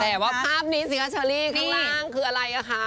แต่ว่าภาพนี้เสียชัวร์ลี่ข้างล่างคืออะไรคะ